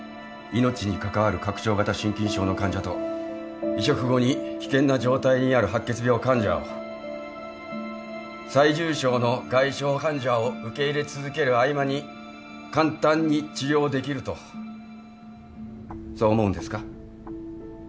命に関わる拡張型心筋症の患者と移植後に危険な状態にある白血病患者を最重症の外傷患者を受け入れ続ける合間に簡単に治療できるとそう思うんですか？